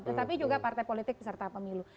tetapi juga partai politik peserta pemilu